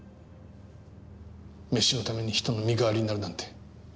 メシのために人の身代わりになるなんて。